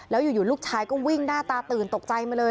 แล้วอยู่ลูกชายก็วิ่งหน้าตาตื่นตกใจมาเลย